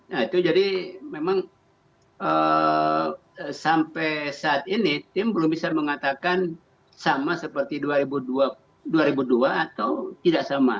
nah itu jadi memang sampai saat ini tim belum bisa mengatakan sama seperti dua ribu dua atau tidak sama